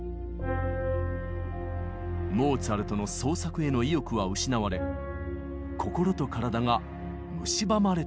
モーツァルトの創作への意欲は失われ心と体がむしばまれていきました。